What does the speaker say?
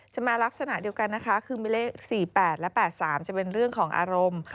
จะมาลักษณะเดียวกันนะคะคือมีเลข๔๘และ๘๓จะเป็นเรื่องของอารมณ์